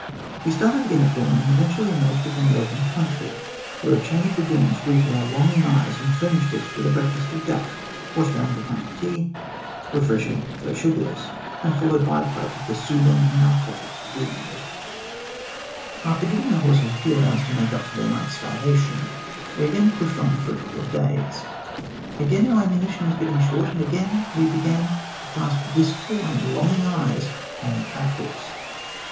We started again at dawn, and eventually emerged upon open country, where a chain of lagoons greeted our longing eyes and furnished us with a break fast of duck, washed down with a pint of tea, refreshing though sugarless, and followed by a pipe of the soothing, narcotic weed. 92 THE GLADSTONE COLONY After giving the horses a few hours to make up for their night's starvation, we again pushed on for a couple of days. Again our ammunition was getting short, and again we began to cast wistful and longing eyes on the pack horse.